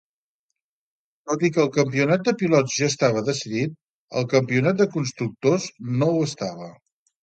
Tot i que el Campionat de Pilots ja estava decidit, el Campionat de Constructors no ho estava.